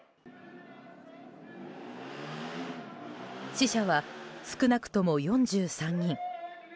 死者は少なくとも４３人。